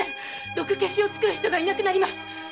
毒消しを作る人がいなくなります！